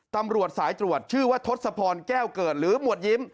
ตำรวจสายตรวจชื่อว่าทศพรแก้วเกิดหรือหมวดยิ้ม